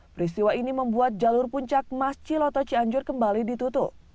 peristiwa ini membuat jalur puncak masciloto cianjur kembali ditutup